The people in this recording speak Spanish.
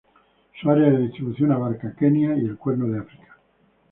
Su área de distribución abarca Kenia y el cuerno de África.